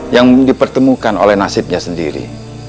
yang dipertemukan oleh nasibnya sendiri